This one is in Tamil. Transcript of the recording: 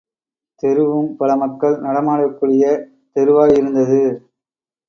தெருவும் பல மக்கள் நடமாடக்கூடிய தெரு வாயிருந்தது.